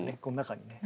この中に。